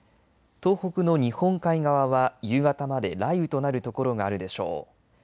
東北の日本海側は夕方まで雷雨となる所があるでしょう。